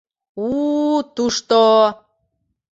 У-у-у-у, тушто!..